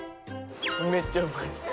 めっちゃうまいです